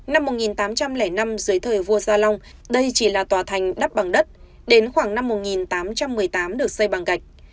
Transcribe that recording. năm một nghìn tám trăm linh năm dưới thời vua gia long đây chỉ là tòa thành đắp bằng đất đến khoảng năm một nghìn tám trăm một mươi tám được xây bằng gạch